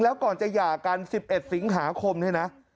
แล้วก่อนจะหย่ากัน๑๑สิงหาคมเนี่ยนะ